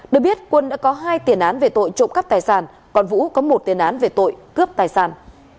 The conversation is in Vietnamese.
được biết quân đã có hai tiền án về tội trộm cắp tài sản còn vũ có một tiền án về tội cướp tài sản